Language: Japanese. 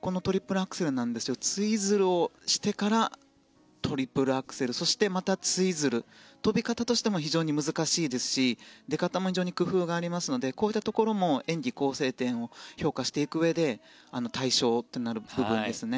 このトリプルアクセルなんですがツイズルをしてからトリプルアクセルそして、またツイズル跳び方としても非常に難しいですし出方も非常に工夫がありますのでこういったところも演技構成点を評価していくうえで対象となる部分ですね。